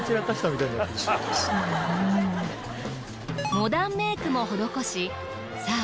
モダンメイクも施しさあ